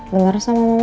dengar sama mama